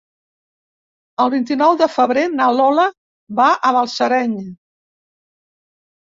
El vint-i-nou de febrer na Lola va a Balsareny.